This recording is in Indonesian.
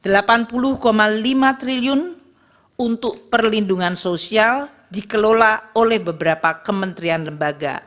rp delapan puluh lima triliun untuk perlindungan sosial dikelola oleh beberapa kementerian lembaga